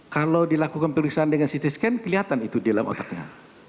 kalau dilakukan pemeriksaan dengan ct scan kelihatan itu di dalam otaknya